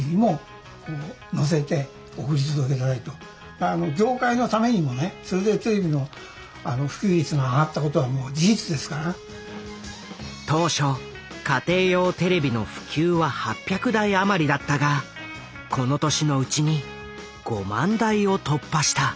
まあ業界のためにもね当初家庭用テレビの普及は８００台余りだったがこの年のうちに５万台を突破した。